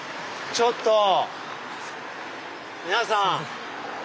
ちょっと皆さん。